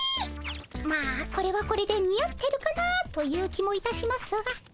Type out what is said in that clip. まあこれはこれで似合ってるかなという気もいたしますが。